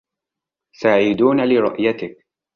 سعيدون لرؤيتك.